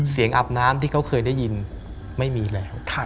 อาบน้ำที่เขาเคยได้ยินไม่มีแล้ว